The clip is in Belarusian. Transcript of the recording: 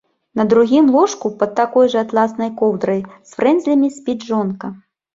На другім ложку пад такой жа атласнай коўдрай з фрэнзлямі спіць жонка.